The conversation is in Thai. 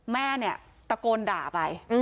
แม่เนี่ยตะโกนด่าไป